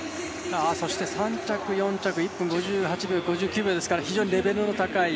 ３着、４着、１分５８秒、５９秒ですからレベルの高い。